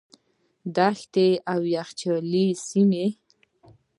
دښتې او یخچالي سیمې.